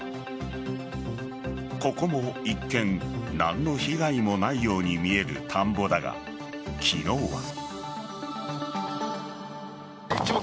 ここも一見何の被害もないように見える田んぼだが昨日は。